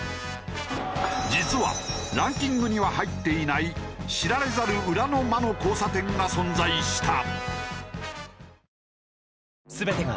実はランキングには入っていない知られざる裏の魔の交差点が存在した。